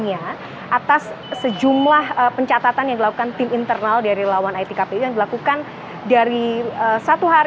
ini didasarkan klaimnya atas sejumlah pencatatan yang dilakukan tim internal dari relawan it kpu yang dilakukan dari satu hari pas siap pemungutan suara